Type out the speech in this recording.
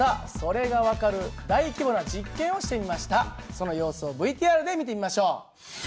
その様子をＶＴＲで見てみましょう。